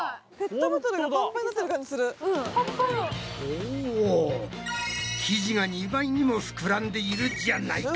おぉ生地が２倍にも膨らんでいるじゃないか！